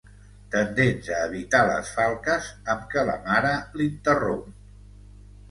Tendents a evitar les falques amb què la mare l'interromp.